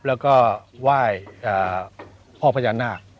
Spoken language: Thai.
แล้วก็ไหว้พ่อพญานาค